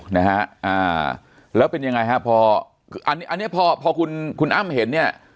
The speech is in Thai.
นะฮะแล้วเป็นยังไงครับพออันนี้พอพอคุณคุณอ้ำเห็นเนี่ย